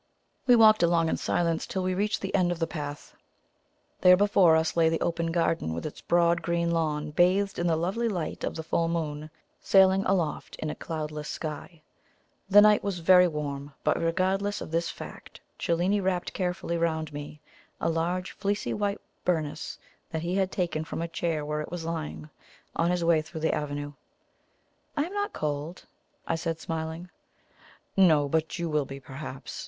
We walked along in silence till we reached the end of the path. There, before us, lay the open garden, with its broad green lawn, bathed in the lovely light of the full moon, sailing aloft in a cloudless sky. The night was very warm, but, regardless of this fact, Cellini wrapped carefully round me a large fleecy white burnous that he had taken from a chair where it was lying, on his way through the avenue. "I am not cold," I said, smiling. "No; but you will be, perhaps.